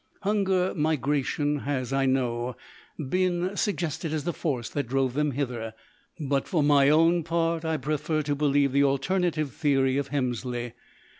Hunger migration has, I know, been suggested as the force that drove them hither; but, for my own part, I prefer to believe the alternative theory of Hemsley.